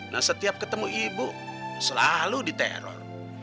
nah setiap ketemu ibu selalu diteror